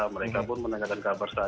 mereka pun menanyakan kabar saya